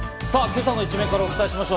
今朝の一面からお伝えします。